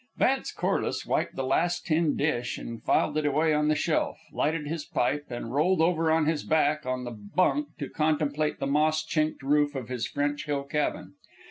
Vance Corliss wiped the last tin dish and filed it away on the shelf, lighted his pipe, and rolled over on his back on the bunk to contemplate the moss chinked roof of his French Hill cabin.